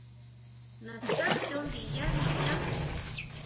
Naská chon ndinyá niʼyá.